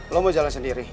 lo mau jalan sendiri